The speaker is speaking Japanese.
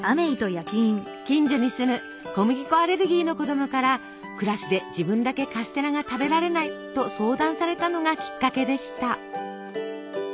近所に住む小麦粉アレルギーの子供からクラスで自分だけカステラが食べられないと相談されたのがきっかけでした。